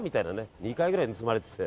２回ぐらい盗まれてて。